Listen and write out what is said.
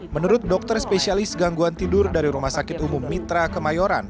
menurut dokter spesialis gangguan tidur dari rumah sakit umum mitra kemayoran